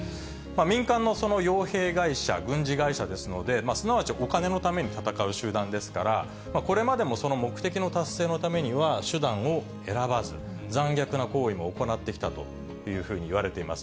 民間のよう兵会社、軍事会社ですので、すなわちお金のために戦う集団ですから、これまでもその目的の達成のためには、手段を選ばず、残虐な行為も行ってきたというふうにいわれています。